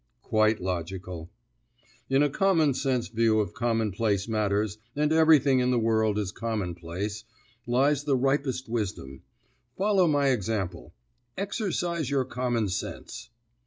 "Quite logical." "In a common sense view of commonplace matters and everything in the world is commonplace lies the ripest wisdom. Follow my example. Exercise your common sense."